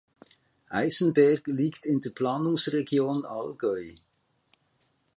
Eisenberg liegt in der Planungsregion Allgäu.